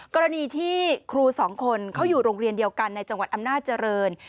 กรณีที่ครูสองคนเขาอยู่โรงเรียนเดียวกันในจังหวัดอำนาจเจริญ